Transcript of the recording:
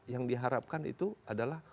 yang diharapkan itu adalah